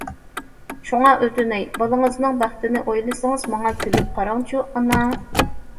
شۇڭا ئۆتۈنەي: بالىڭىزنىڭ بەختىنى ئويلىسىڭىز ماڭا كۈلۈپ قاراڭچۇ، ئانا؟!